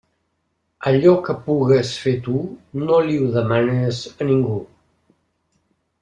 Allò que pugues fer tu no li ho demanes a ningú.